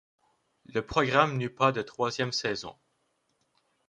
Le programme n'eut pas de troisième saison.